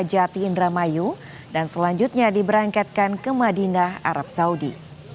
kejati indramayu dan selanjutnya diberangkatkan ke madinah arab saudi